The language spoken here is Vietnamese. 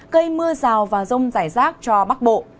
gây mưa rào và rông rải rác cho bắc bộ